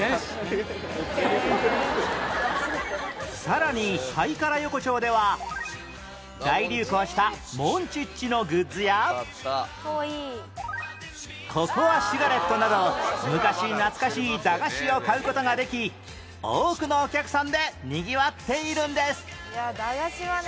さらにハイカラ横丁では大流行したモンチッチのグッズやココアシガレットなど昔懐かしい駄菓子を買う事ができ多くのお客さんでにぎわっているんです